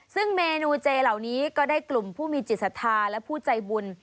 ซึ่งเมนูเจเหล่านี้ก็ได้กลุ่มผู้มีจิตศรัทธาและผู้ใจบุญ